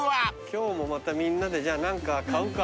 今日もまたみんなでじゃあ何か買うか。